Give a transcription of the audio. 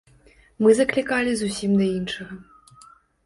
Мы заклікалі зусім да іншага.